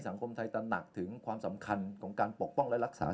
สังคมไทยตระหนักถึงความสำคัญของการปกป้องและรักษา